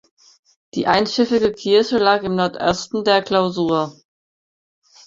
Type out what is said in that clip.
Die einschiffige Kirche lag im Nordosten der Klausur.